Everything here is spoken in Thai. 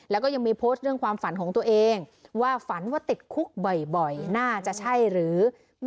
แล้วก็ยังมีโพสต์เรื่องความฝันของตัวเองว่าฝันว่าติดคุกบ่อยน่าจะใช่หรือ